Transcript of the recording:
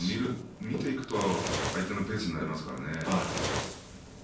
見ていくと相手のペースになりますからね。